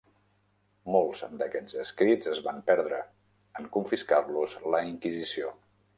Molts d'aquests escrits es van perdre, en confiscar-los la inquisició.